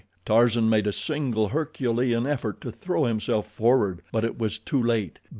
Tarzan made a single Herculean effort to throw himself forward, but it was too late.